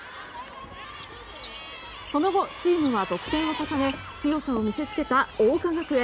その後、チームは得点を重ね強さを見せつけた桜花学園。